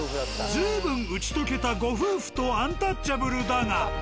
随分打ち解けたご夫婦とアンタッチャブルだが。